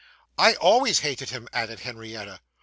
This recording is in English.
'I always hated him,' added Henrietta.